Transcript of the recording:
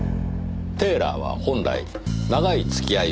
テーラーは本来長い付き合いをする事が前提です。